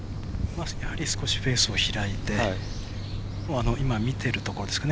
少しフェースを開いて今、見ているところですかね